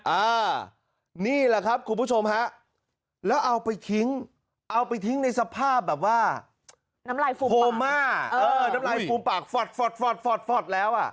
อ่านี่แหละครับคุณผู้ชมฮะแล้วเอาไปทิ้งเอาไปทิ้งในสภาพแบบว่าน้ำลายฟูมโคม่าเออน้ำลายฟูมปากฟอดฟอดแล้วอ่ะ